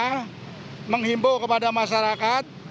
kita menghimbau kepada masyarakat